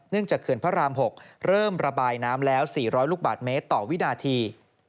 จากเขื่อนพระราม๖เริ่มระบายน้ำแล้ว๔๐๐ลูกบาทเมตรต่อวินาที